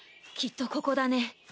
きっとここだね。